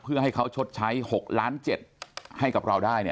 เพื่อให้เขาชดใช้๖ล้าน๗ให้กับเราได้